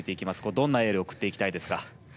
どんなエールを送っていきたいですか？